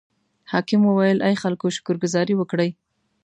حاکم وویل: ای خلکو شکر ګذاري وکړئ.